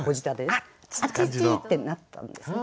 「あっちっち！」ってなったんですね。